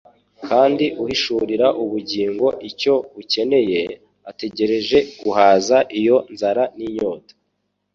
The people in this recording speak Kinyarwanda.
Kandi uhishurira ubugingo icyo bukeneye ategereje guhaza iyo nzara n’inyota